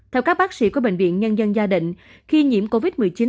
theo các bác sĩ của bệnh viện nhân dân gia đình khi nhiễm covid một mươi chín